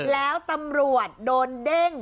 แล้วตำรวจโดนเด้ง